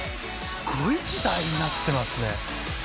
すごい時代になってますね。